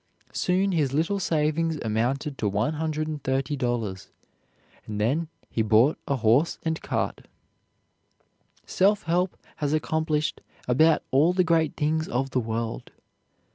Soon his little savings amounted to $130, and then he bought a horse and cart. Self help has accomplished about all the great things of the world.